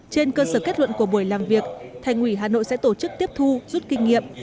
trên cơ sở kết luận của buổi làm việc thành ủy hà nội sẽ tổ chức tiếp thu rút kinh nghiệm